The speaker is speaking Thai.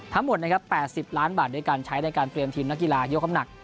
ทั้งหมดนะครับ๘๐ล้านบาทด้วยการใช้ในการเตรียมทีมนักกีฬายกน้ำหนัก